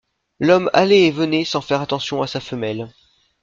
L'homme allait et venait sans faire attention à sa femelle.